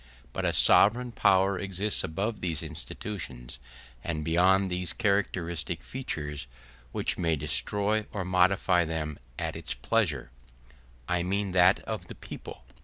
But a sovereign power exists above these institutions and beyond these characteristic features which may destroy or modify them at its pleasure—I mean that of the people.